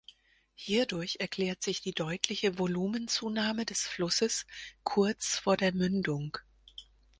Hierdurch erklärt sich die deutliche Volumenzunahme des Flusses kurz vor der Mündung.